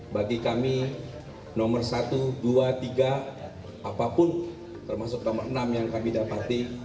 bagi kami nomor satu dua tiga apapun termasuk nomor enam yang kami dapati